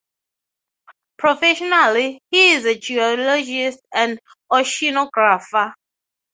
Professionally, he is a geologist and oceanographer.